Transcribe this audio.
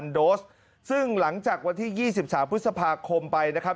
โดสซึ่งหลังจากวันที่๒๓พฤษภาคมไปนะครับ